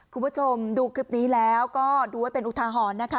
คุณผู้ชมดูคลิปนี้แล้วก็ดูไว้เป็นอุทาหรณ์นะคะ